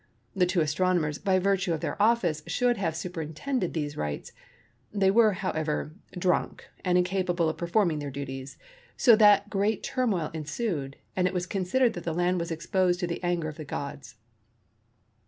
The two astronomers by virtue of their office should have superintended these rites. They were, however, drunk and incapable of performing their duties, so that great turmoil ensued, and it was considered that the land was exposed to the anger of the gods.